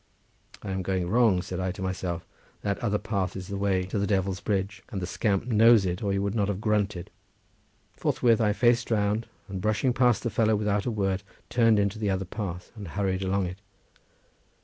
"I am going wrong," said I to myself; "that other path is the way to the Devil's Bridge, and the scamp knows it, or he would not have grunted." Forthwith I faced round, and brushing past the fellow without a word turned into the other path and hurried along it.